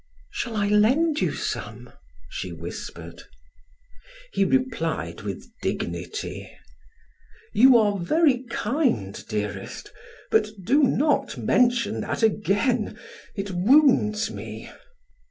"Shall I lend you some?" she whispered. He replied with dignity: "You are very kind, dearest; but do not mention that again; it wounds me."